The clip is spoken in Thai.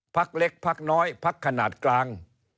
พักเล็กพักน้อยพักขนาดกลาง